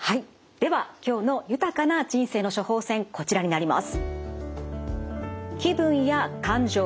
では今日の豊かな人生の処方せんこちらになります。